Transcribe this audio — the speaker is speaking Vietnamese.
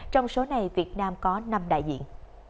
trong số này việt nam có năm đại diện